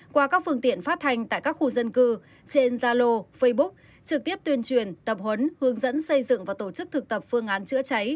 qua các phương tiện phát thanh tại các khu dân cư trên gia lô facebook trực tiếp tuyên truyền tập huấn hướng dẫn xây dựng và tổ chức thực tập phương án chữa cháy